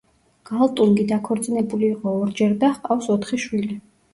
გალტუნგი დაქორწინებული იყო ორჯერ და ჰყავს ოთხი შვილი.